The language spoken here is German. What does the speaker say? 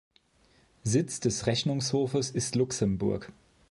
Sitz des Rechnungshofes ist Luxemburg.